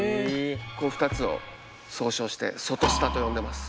この２つを総称して外スタと呼んでます。